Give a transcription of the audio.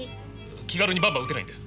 気軽にバンバン撃てないんだよ。